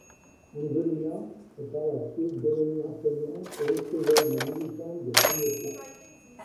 Angelina est par la suite devenue enseignante et écrivaine et militante de premier plan.